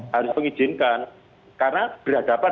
harus mengizinkan karena berhadapan